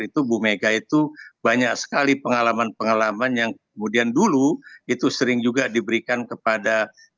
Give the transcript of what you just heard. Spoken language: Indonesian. itu bu mega itu banyak sekali pengalaman pengalaman yang kemudian dulu itu sering juga diberikan kepada